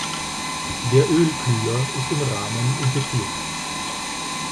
Der Ölkühler ist im Rahmen integriert.